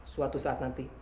suatu saat nanti